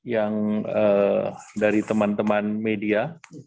yang dari teman teman media